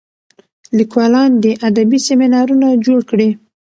لیکوالان دي ادبي سیمینارونه جوړ کړي.